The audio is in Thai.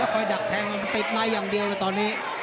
แล้วคอยดักแทงเตะในอย่างเดียวนะตอนนี้